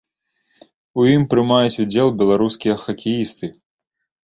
У ім прымаюць удзел беларускія хакеісты.